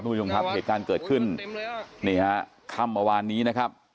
คุณผู้ชมครับเหตุการณ์เกิดขึ้นนี่ฮะค่ำเมื่อวานนี้นะครับ